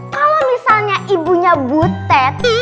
kalau misalnya ibunya butet